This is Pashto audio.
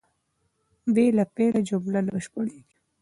بې له فعله جمله نه بشپړېږي.